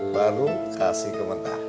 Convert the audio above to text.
baru kasih komentar